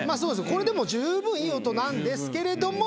これでも十分いい音なんですけれども。